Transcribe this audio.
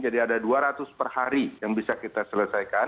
jadi ada dua ratus per hari yang bisa kita selesaikan